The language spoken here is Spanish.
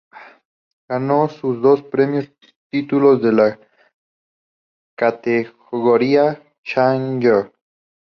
Ganó sus dos primeros títulos de la categoría Challenger.